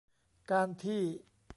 การที่